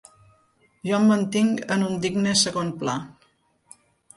Jo em mantinc en un digne segon pla.